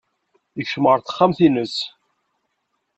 Yekcem ɣer texxamt-nnes.